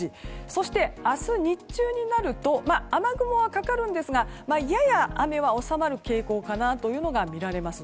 そして、明日日中になると雨雲はかかるんですがやや雨は収まる傾向かなと見られます。